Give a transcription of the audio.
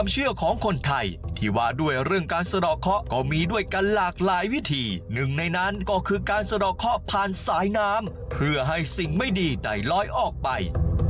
ช่างเป็นพิธีกรรมที่หาชมได้ยากยิ่งหนักนี่คือพิธีลอยเคาะเรือไฟ